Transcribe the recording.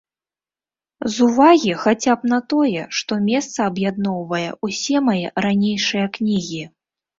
З увагі хаця б на тое, што месца аб'ядноўвае ўсе мае ранейшыя кнігі.